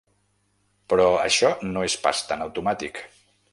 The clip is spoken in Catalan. Però això no és pas tan automàtic.